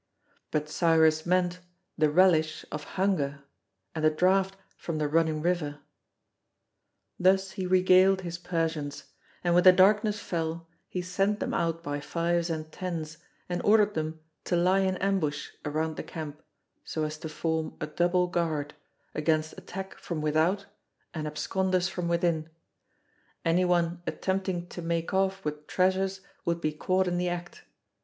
But Cyrus meant the relish of hunger, and the draught from the running river. Thus he regaled his Persians, and when the darkness fell he sent them out by fives and tens and ordered them to lie in ambush around the camp, so as to form a double guard, against attack from without, and absconders from within; any one attempting to make off with treasures would be caught in the act.